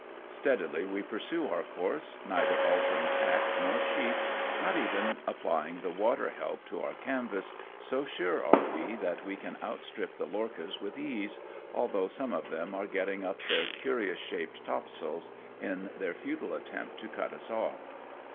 Steadily we pursue our course, neither altering tack nor sheet, not even applying the water help to our canvas, so sure are we that we can outstrip the lorchas with ease, although some of them are getting up their curious shaped topsails, in their futile attempt to cut us ofiF.